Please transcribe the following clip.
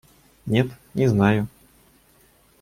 Нет, не знаю.